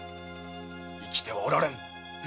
生きてはおられぬ。